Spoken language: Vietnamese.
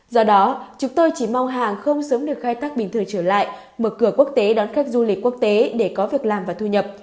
do đó chúng tôi chỉ mong hàng không sớm được khai thác bình thường trở lại mở cửa quốc tế đón khách du lịch quốc tế để có việc làm và thu nhập